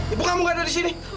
ibu kamu gak ada di sini